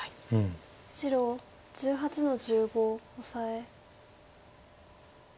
白１８の十五オサエ。